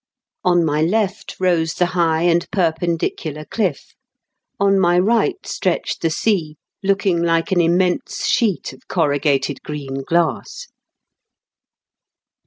On my left rose the high and perpendicular cliff, on my right DICKENS AT BB0AD8TAIB8. 257 stretched the sea, looking like an immense sheet of corrugated green glass.